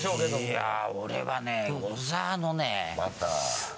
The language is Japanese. いや俺はね小沢のね。